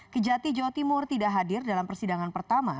kejati jawa timur tidak hadir dalam persidangan pertama